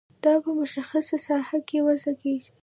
دا په مشخصه ساحه کې وضع کیږي.